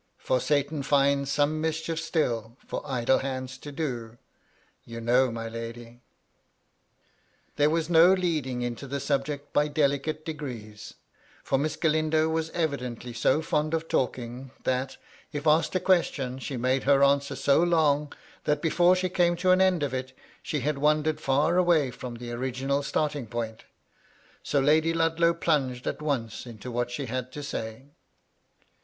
For Satan finds some mischief still For idle hands to do, you know, my lady." 214 MY LADT LUDLOW. There was no leading into the subject by delicate degrees, for Miss Galindo was eyidently so fond of talking, that, if asked a question, she made her answer so long, that before she came to an end of it, she bad wandered far away from the original starting point So Lady Ludlow plunged at once into what she bad to say.